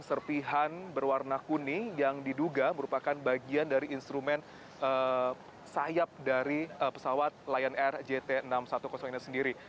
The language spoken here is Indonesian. serpihan berwarna kuning yang diduga merupakan bagian dari instrumen sayap dari pesawat lion air jt enam ratus sepuluh ini sendiri